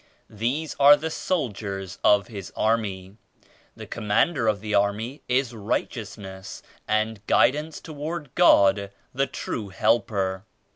These are the soldiers of His Army. The Commander of the Army is Righteousness and Guidance toward God the True Helper.